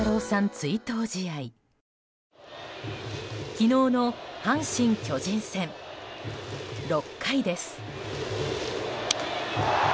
昨日の阪神・巨人戦６回です。